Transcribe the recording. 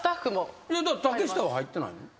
竹下は入ってないの？